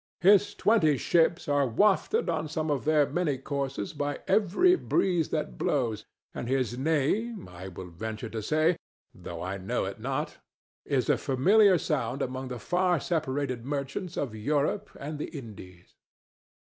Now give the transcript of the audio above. His twenty ships are wafted on some of their many courses by every breeze that blows, and his name, I will venture to say, though I know it not, is a familiar sound among the far separated merchants of Europe and the Indies.